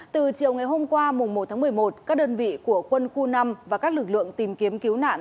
từ chiều ngày hôm qua một tháng một mươi một các đơn vị của quân khu năm và các lực lượng tìm kiếm cứu nạn